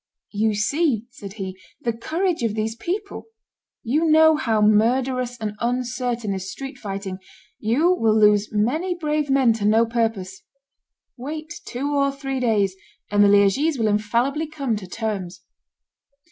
"You see," said he, "the courage of these people; you know how murderous and uncertain is street fighting; you will lose many brave men to no purpose. Wait two or three days, and the Liegese will infallibly come to terms."